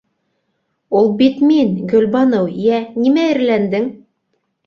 Ул бит мин, Гөлбаныу, йә нимә эреләндең?